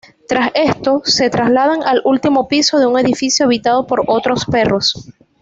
Tras esto, se trasladan al último piso de un edificio habitado por otros perros.